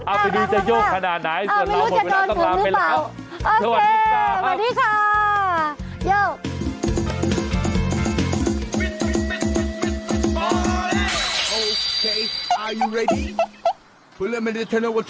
เอาไปดูจะโยกขนาดไหนส่วนเราหมดเวลาต้องกลับไปแล้ว